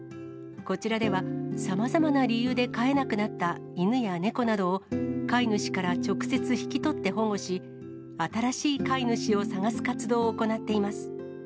こちらでは、さまざまな理由で飼えなくなった犬や猫などを、飼い主から直接引き取って保護し、新しい飼い主を探す活動を行っています。